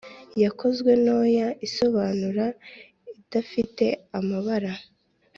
yakozwe ntoya, isobanura, idafite amabara.